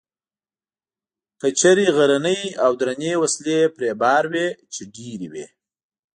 کچرې غرنۍ او درنې وسلې پرې بار وې، چې ډېرې وې.